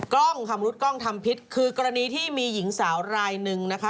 กล้องชำรุดกล้องทำพิษคือกรณีที่มีหญิงสาวรายหนึ่งนะคะ